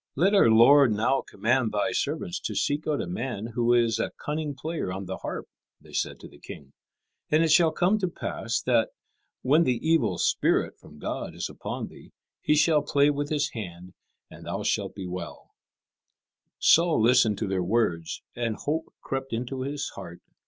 "Let our lord now command thy servants to seek out a man who is a cunning player on a harp," they said to the king, "and it shall come to pass that, when the evil spirit from God is upon thee, he shall play with his hand, and thou shalt be well." [Illustration: David drew magic music from his harp's strings.] Saul listened to their words, and hope crept into his heart.